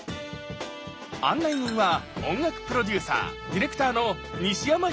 案内人は音楽プロデューサーディレクターの西山宏明さん。